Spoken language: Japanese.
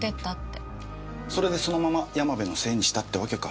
それでそのまま山部のせいにしたってわけか。